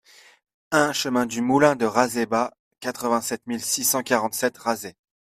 un chemin du Moulin de Razès-Bas, quatre-vingt-sept mille six cent quarante Razès